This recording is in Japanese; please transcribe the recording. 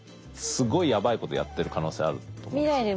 すごいやばいことやってる可能性あると思うんですね。